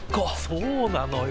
そうなのよ。